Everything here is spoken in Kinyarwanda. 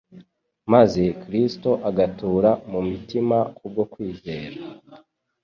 maze Kristo agatura mu mitima kubwo kwizera,